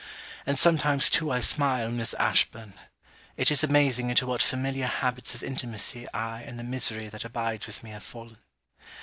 And sometimes too I smile, Miss Ashburn. It is amazing into what familiar habits of intimacy I and the misery that abides with me have fallen.